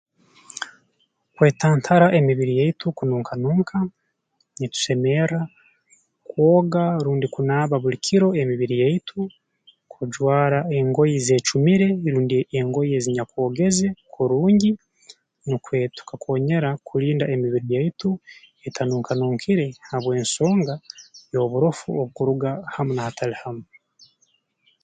Kwetantara emibiri yaitu kununka nunka nitusemerra kwoga rundi kunaaba buli kiro emibiri yaitu kujwara engoye zeecumire rundi engoye ezinyakwogeze kurungi nukwe tukakoonyera kulinda emibiri yaitu atanunka nunkire habw'ensonga y'oburofu obukuruga hamu n'ahatali hamu